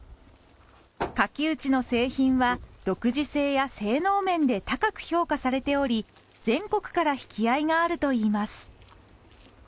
垣内の製品は独自性や性能面で高く評価されており全国から引き合いがあるといいます。